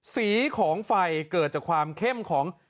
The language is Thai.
สีของไฟเกิดจากความเข้มของ